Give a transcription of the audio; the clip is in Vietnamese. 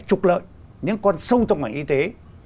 trục lợi những con sâu trong ngành y tế